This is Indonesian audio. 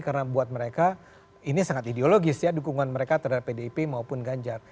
karena buat mereka ini sangat ideologis ya dukungan mereka terhadap pdip maupun ganjar